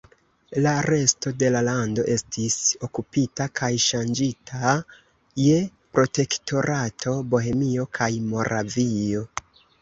La resto de la lando estis okupita kaj ŝanĝita je Protektorato Bohemio kaj Moravio.